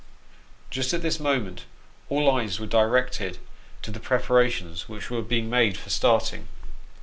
Just at this moment all eyes were directed to the preparations which were being made for starting.